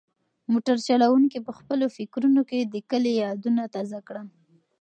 موټر چلونکي په خپلو فکرونو کې د کلي یادونه تازه کړل.